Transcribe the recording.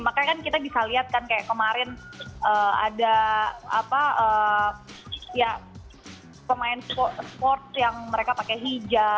makanya kan kita bisa lihat kan kayak kemarin ada pemain sports yang mereka pakai hijab